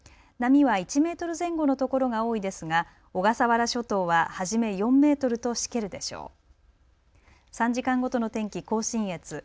波は１メートル前後の所が多いですが小笠原諸島ははじめ４メートルとしけるでしょう。